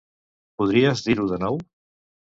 Podries dir-ho de nou?